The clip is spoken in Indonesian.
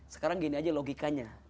sekarang gini aja logikanya